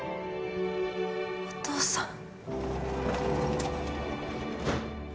お父さん。